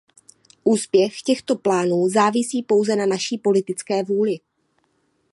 Úspěch těchto plánů závisí pouze na naší politické vůli.